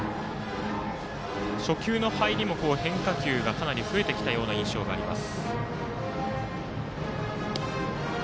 初球の入りも変化球がかなり増えてきた印象があります。